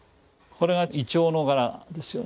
これは銀杏の柄ですよね。